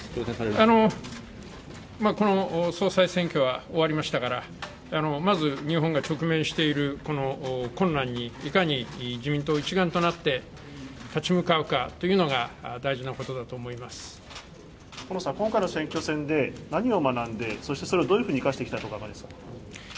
総裁選挙は終わりましたから、まず日本が直面しているこの困難に自民党一丸となって立ち向かうというところが今回の選挙戦で何を学んで、どういうふうに生かしていきたいとお考えですか。